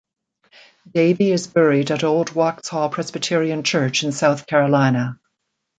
Davie is buried at Old Waxhaw Presbyterian Church in South Carolina.